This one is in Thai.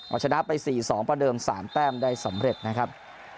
เอาชนะไป๔๒ประเดิม๓แต้มได้สำเร็จนะครับ